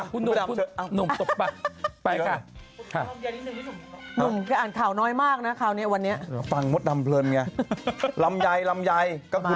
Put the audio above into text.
คือทำไมพูดคำว่าไอบ้าไม่ได้